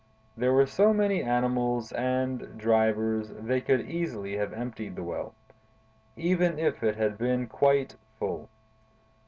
There were so many animals and drivers they could easily have emptied the Well, even if it had been quite full.